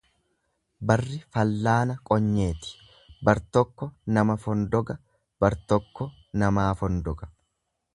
Barri fallaana qonyeeti, bar tokko nama fondoga bar tokko namaa fondoga.